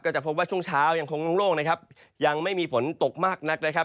จะพบว่าช่วงเช้ายังคงโล่งนะครับยังไม่มีฝนตกมากนักนะครับ